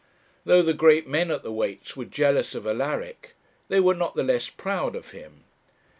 Though the great men at the Weights were jealous of Alaric, they were not the less proud of him.